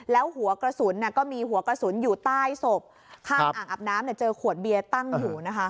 แล้วหัวกระสุนก็มีหัวกระสุนอยู่ใต้ศพข้างอ่างอาบน้ำเจอขวดเบียร์ตั้งอยู่นะคะ